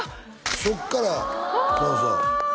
そっからそうそうわあ！